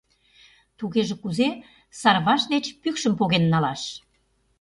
Тугеже кузе Сарваш деч пӱкшым поген налаш?